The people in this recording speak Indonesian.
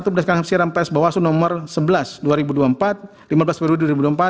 itu berdasarkan siaran pers bawaslu nomor sebelas dua ribu dua puluh empat lima belas februari dua ribu dua puluh empat